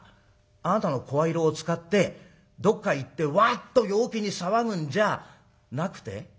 あなたの声色を使ってどっかへ行ってワッと陽気に騒ぐんじゃなくて？